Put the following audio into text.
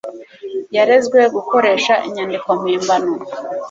yarezwe gukoresha inyandiko mpimbano